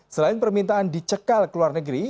selain permintaan dicekal ke luar negeri